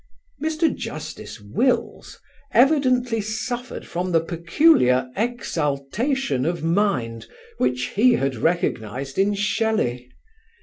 Mr. Justice Wills evidently suffered from the peculiar "exaltation" of mind which he had recognised in Shelley.